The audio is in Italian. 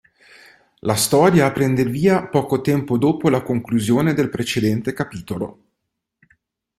La storia prende il via poco tempo dopo la conclusione del precedente capitolo.